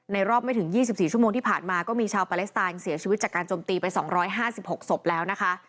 รอบไม่ถึง๒๔ชั่วโมงที่ผ่านมาก็มีชาวปาเลสไตน์เสียชีวิตจากการจมตีไป๒๕๖ศพแล้วนะคะ